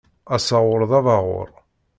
Asaɣur d abaɣur.